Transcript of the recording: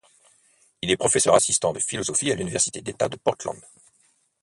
Il est professeur assistant de philosophie à l'université d'État de Portland.